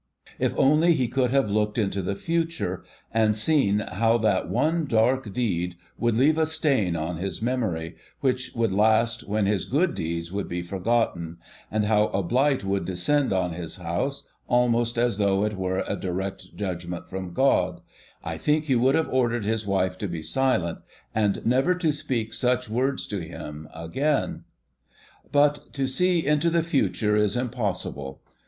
If only he could have looked into the future, and seen how that one dark deed would leave a stain on his memory, which would last when his good deeds would be forgotten, and how a blight would descend on his house almost as though it were a direct judgment from God, I think he would have ordered his wife to be silent, and never to speak such words to him again. But to see into the future is impossible.